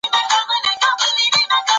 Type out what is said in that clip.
که غریبان وږی وي شتمن مسوول دي.